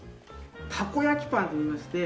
たこ焼きパンといいまして。